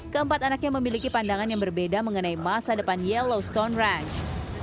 keempat anaknya memiliki pandangan yang berbeda mengenai masa depan yellow stonerang